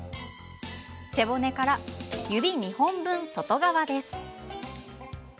背骨から指２本分、外側です。